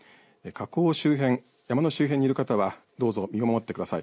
火口周辺山の周辺にいる方はどうぞ身を守ってください。